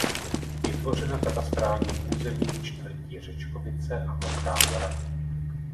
Je tvořena katastrálním územím čtvrtí Řečkovice a Mokrá Hora.